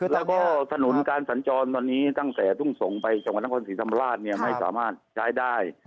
และก็สนุนการสัญจรณ์ตอนนี้ตั้งแต่ฟูกศงไปจังหวังธนคมศรีสัมมาราชไม่สามารถใช้ได้